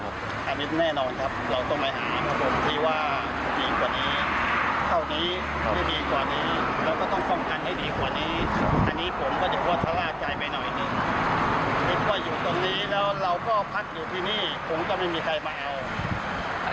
พออยู่ตรงนี้แล้วเราก็พักอยู่ที่นี่คงจะไม่มีใครมาเอา